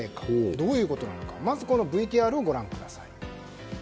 どういうことなのかまず、ＶＴＲをご覧ください。